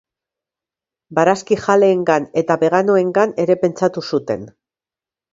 Barazkijaleengan eta beganoengan ere pentsatu zuten.